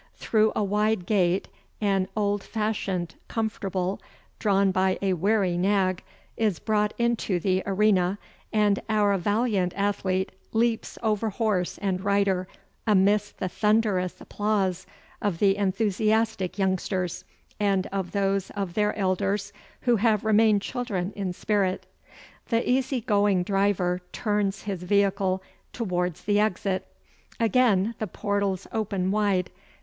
Through a wide gate an old fashioned comfortable, drawn by a weary nag, is brought into the arena and our valiant athlete leaps over horse and rider amidst the thunderous applause of the enthusiastic youngsters and of those of their elders who have remained children in spirit. The easy going driver turns his vehicle towards the exit. Again the portals open wide.